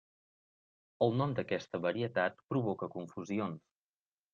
El nom d'aquesta varietat provoca confusions.